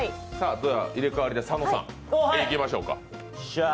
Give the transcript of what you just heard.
入れ替わりで佐野さんいきましょうか。